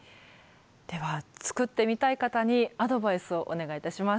では作ってみたい方にアドバイスをお願いいたします。